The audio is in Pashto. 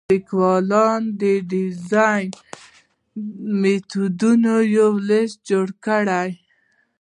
لیکوالانو د ډیزاین میتودونو یو لیست جوړ کړی.